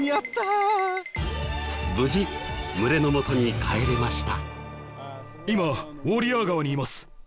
無事群れのもとに帰れました。